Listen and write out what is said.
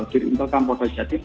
dirimta kampung pasal jatim